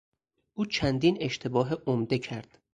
او چندین اشتباه عمده کرد.